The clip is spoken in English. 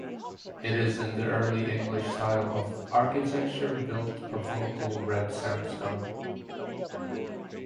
It is in the early English style of architecture built of local red sandstone.